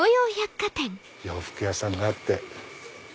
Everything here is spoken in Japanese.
洋服屋さんがあって。